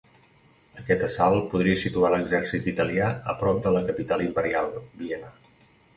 Aquest assalt podria situar l'exèrcit italià a prop de la capital imperial, Viena.